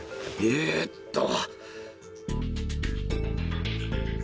えーっと。